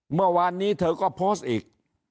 เมื่อวานนี้เธอก็โพสต์อีก